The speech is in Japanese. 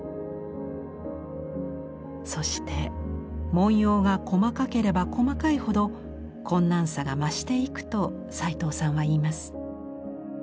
そして文様が細かければ細かいほど困難さが増していくと齊藤さんは言います。